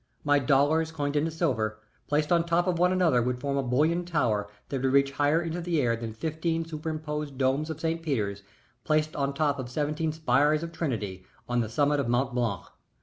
My dollars coined into silver, placed on top of one another, would form a bullion tower that would reach higher into the air than fifteen superimposed domes of St. Peter's placed on top of seventeen spires of Trinity on the summit of Mont Blanc.